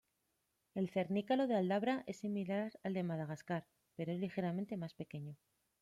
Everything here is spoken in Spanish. El cernícalo de Aldabra es similar al de Madagascar, pero es ligeramente más pequeño.